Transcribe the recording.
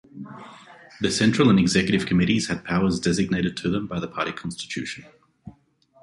The Central and Executive Committees had powers designated to them by the Party Constitution.